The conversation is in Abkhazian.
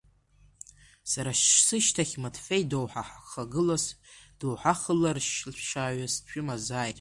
Сара сышьҭахь Матфеи доуҳа хагылас доуҳахырлашааҩыс дшәымазааит ҳәа.